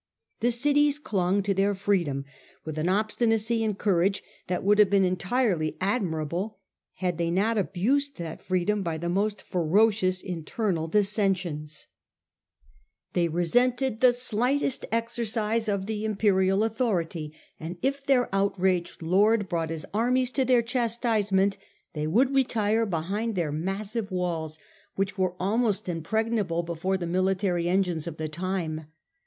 The cities clung to their freedom with an obstinacy and courage that would have been entirely admirable had they not abused that freedom by the most ferocious internal dissensions, i 129 130 STUPOR MUNDI They resented the slightest exercise of the Imperial authority, and if their outraged Lord brought his armies to their chastisement they would retire behind their massive walls, which were almost impregnable before the military engines of the time.